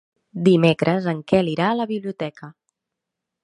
Dimecres en Quel irà a la biblioteca.